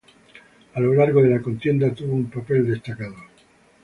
A lo largo de la contienda tuvo un papel destacado.